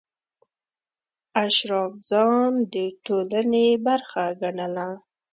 اشراف ځان د ټولنې برخه ګڼله.